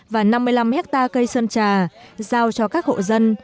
và năm mươi năm hectare cây sơn trà giao cho các hộ dân